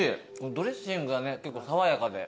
ドレッシングがね爽やかで。